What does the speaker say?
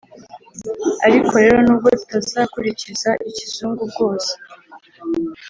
ariko rero n’ubwo tutazakurikiza ikizungu bwose,